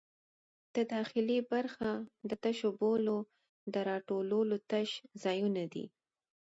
داخلي برخه د تشو بولو د راټولولو تش ځایونه دي.